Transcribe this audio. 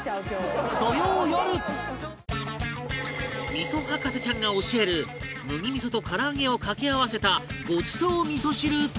味噌博士ちゃんが教える麦味噌とからあげを掛け合わせたごちそう味噌汁とは？